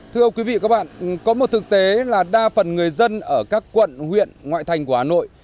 thưa quý vị có một thực tế là đa phần người dân ở các quận huyện ngoại thành của hà nội